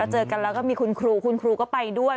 เจอกันแล้วก็มีคุณครูคุณครูก็ไปด้วย